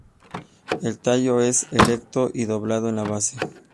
El tallo es erecto y doblado en la base.